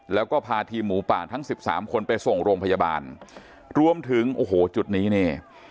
แล้วก็พาทีมหมูป่าทั้งสิบสามคนไปส่งโรงพยาบาลรวมถึงโอ้โหจุดนี้นี่